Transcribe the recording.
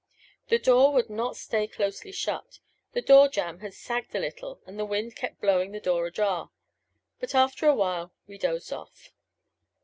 The door would not stay closely shut the door jamb had sagged a little and the wind kept blowing the door ajar. But after a while we dozed off.